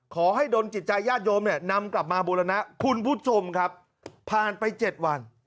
ขอให้ดนจิตใจญาติโยมเนี่ยนำกลับมาบูรณะคุณผู้ชมครับผ่านไป๗วัน